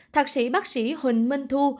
thạc sĩ bác sĩ huỳnh minh thu